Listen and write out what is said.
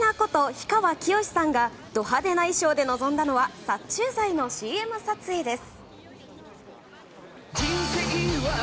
氷川きよしさんがド派手な衣装で臨んだのは殺虫剤のＣＭ撮影です。